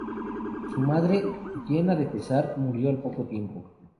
Su madre, llena de pesar, murió al poco tiempo.